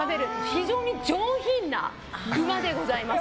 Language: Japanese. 非常に上品なうまでございます。